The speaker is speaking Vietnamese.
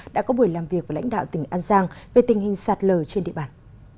đã có buổi làm việc với lãnh đạo tỉnh an giang về tình hình sạt lờ trên địa bàn